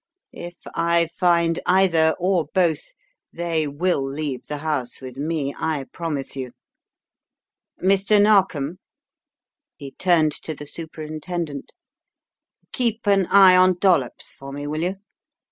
"If I find either, or both, they will leave the house with me, I promise you. Mr. Narkom " he turned to the superintendent "keep an eye on Dollops for me, will you?